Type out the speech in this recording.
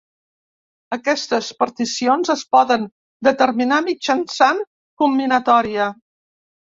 Aquestes particions es poden determinar mitjançant combinatòria.